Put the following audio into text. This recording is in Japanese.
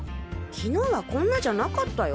昨日はこんなじゃなかったよ。